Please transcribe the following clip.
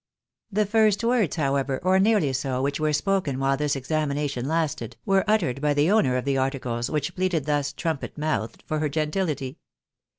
The first words, however, or nearly so, which were spoken while this examination lasted, were uttered by the owner of the articles, which pleaded thus trumpet mouthed, for her gentility.